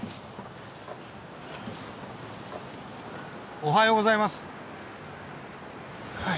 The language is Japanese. おはようございます。